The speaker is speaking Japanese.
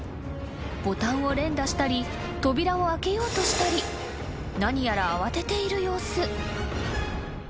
［ボタンを連打したり扉を開けようとしたり何やら］